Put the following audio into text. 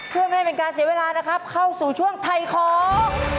เพื่อไม่ให้เป็นการเสียเวลานะครับเข้าสู่ช่วงไทยของ